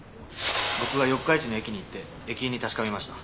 僕が四日市の駅に行って駅員に確かめました。